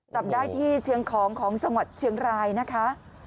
จับได้ที่เชียงของของจังหวัดเชียงรายนะคะ